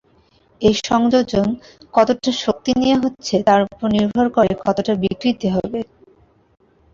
এই সংযোজন কতটা শক্তি নিয়ে হচ্ছে তার ওপর নির্ভর করে কতটা বিকৃতি হবে।